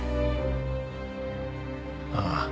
ああ。